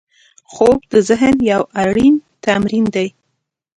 خوب د ذهن یو اړین تمرین دی